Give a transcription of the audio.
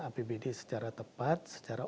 apbd secara tepat secara